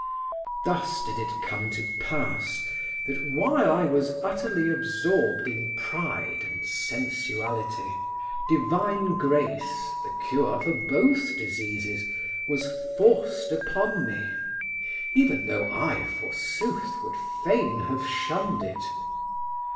Thus did it come to pass that while I was utterly absorbed in pride and sensuality, divine grace, the cure for both diseases, was forced upon me, even though I, forsooth, would fain have shunned it.